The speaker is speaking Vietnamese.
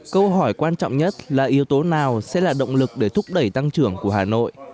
câu hỏi quan trọng nhất là yếu tố nào sẽ là động lực để thúc đẩy tăng trưởng của hà nội